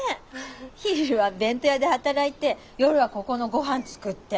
昼は弁当屋で働いて夜はここのごはん作って。